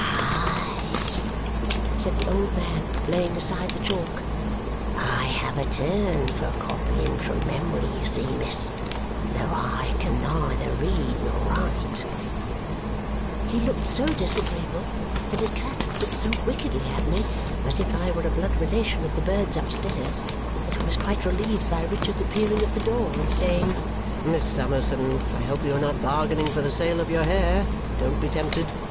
"Hi!" said the old man, laying aside the chalk. "I have a turn for copying from memory, you see, miss, though I can neither read nor write." He looked so disagreeable and his cat looked so wickedly at me, as if I were a blood relation of the birds upstairs, that I was quite relieved by Richard's appearing at the door and saying, "Miss Summerson, I hope you are not bargaining for the sale of your hair. Don't be tempted.